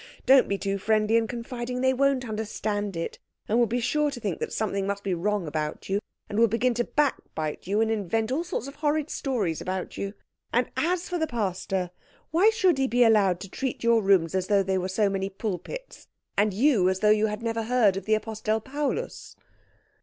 Don't be too friendly and confiding they won't understand it, and will be sure to think that something must be wrong about you, and will begin to backbite you, and invent all sorts of horrid stories about you. And as for the pastor, why should he be allowed to treat your rooms as though they were so many pulpits, and you as though you had never heard of the Apostel Paulus?"